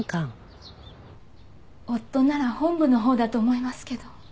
夫なら本部のほうだと思いますけど。